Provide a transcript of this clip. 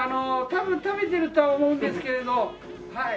多分食べてるとは思うんですけれどはい。